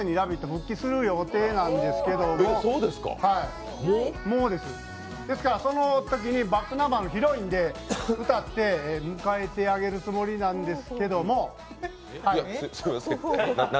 復帰する予定なんですけれども、ですからそのときにｂａｃｋｎｕｍｂｅｒの「ヒロイン」を歌って迎えてあげるつもりなんですけども何？